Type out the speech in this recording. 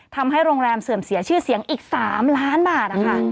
ทำให้โรงแรมเสื่อมเสียชื่อเสียงอีก๓ล้านบาทนะคะ